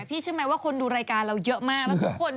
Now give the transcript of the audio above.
พี่ชื่อไม่ว่าคนดูรายการเราเยอะมาก